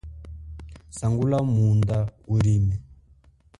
Sangula munda ulime.